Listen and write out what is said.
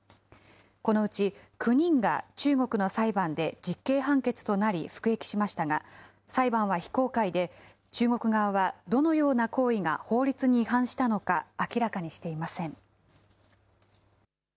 このうち９人が中国の裁判で実刑判決となり服役しましたが、裁判は非公開で、中国側はどのような行為が法律に違反したのか、明らかにしていません。